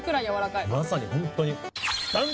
まさにホントに。